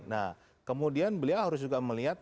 nah kemudian beliau harus juga melihat